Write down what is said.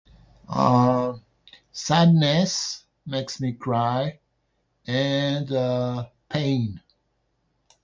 sadness makes me cry and pain.